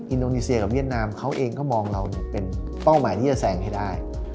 อินโดนีเซียกับเวียดนามเขาเองก็มองเราเป็นเป้าหมายที่จะแซงให้ได้